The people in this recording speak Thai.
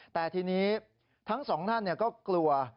แต่ทีนี้ทั้งสองท่านก็กลัว